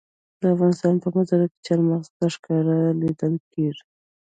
د افغانستان په منظره کې چار مغز په ښکاره لیدل کېږي.